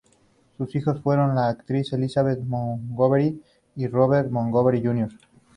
Sus hijos fueron la actriz Elizabeth Montgomery y Robert Montgomery Jr.